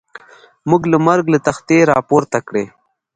موږ له مرګ له تختې را پورته کړي.